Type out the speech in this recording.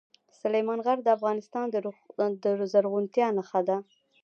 سلیمان غر د افغانستان د زرغونتیا نښه ده.